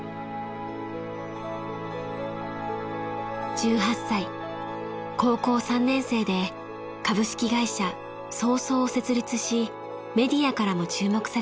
［１８歳高校３年生で株式会社想創を設立しメディアからも注目されました］